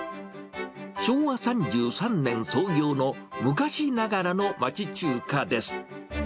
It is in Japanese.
昭和３３年創業の昔ながらの町中華です。